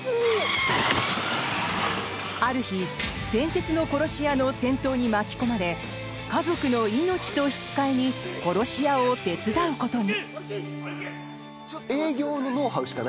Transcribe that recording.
ある日、伝説の殺し屋の戦闘に巻き込まれ家族の命と引き換えに殺し屋を手伝うことに。